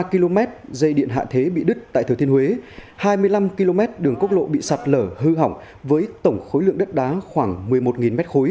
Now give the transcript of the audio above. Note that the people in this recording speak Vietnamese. một trăm linh ba km dây điện hạ thế bị đứt tại thừa thiên huế hai mươi năm km đường cốc lộ bị sạt lở hư hỏng với tổng khối lượng đất đá khoảng một mươi một m ba